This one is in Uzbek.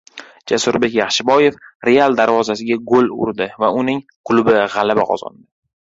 Jasurbek Yaxshiboyev «Real» darvozasiga gol urdi va uning klubi g‘alaba qozondi